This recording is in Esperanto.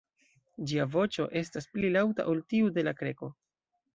Ĝia voĉo estas pli laŭta ol tiu de la Kreko.